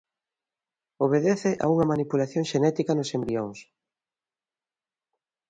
Obedece a unha manipulación xenética nos embrións.